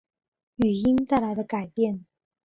语音带来的改变